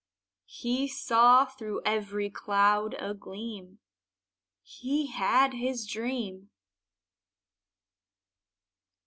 He saw through every cloud a gleam He had his dream.